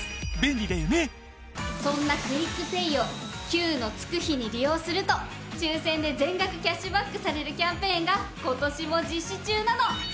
そんなＱＵＩＣＰａｙを９のつく日に利用すると抽選で全額キャッシュバックされるキャンペーンが今年も実施中なの！